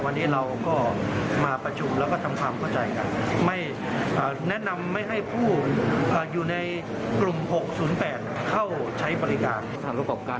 วันนี้เราก็มาประชุมแล้วก็ทำความเข้าใจกันไม่อ่าแนะนำไม่ให้ผู้อ่าอยู่ในกลุ่มหกศูนย์แปดเข้าใช้บริการ